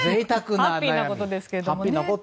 ハッピーなことなんですけどね。